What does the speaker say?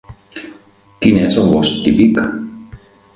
Quin és el bosc típic?